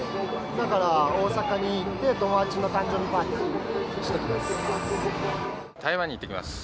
だから、大阪に行って友達の誕生日パーティーをしてきます。